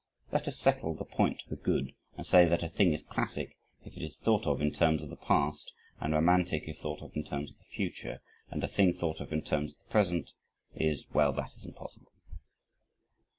Let us settle the point for "good," and say that a thing is classic if it is thought of in terms of the past and romantic if thought of in terms of the future and a thing thought of in terms of the present is well, that is impossible!